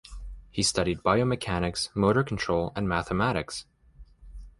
He studied biomechanics, motor control and mathematics.